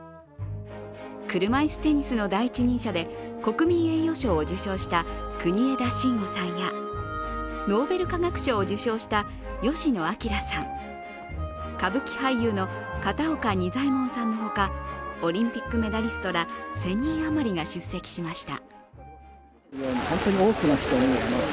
車いすテニスの第一人者で国民栄誉賞を受賞した国枝慎吾さんやノーベル化学賞を受賞した吉野彰さん、歌舞伎俳優の片岡仁左衛門さんのほかオリンピックメダリストら１０００人余りが出席しました。